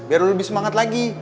biar lebih semangat lagi